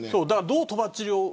どう、とばっちりを。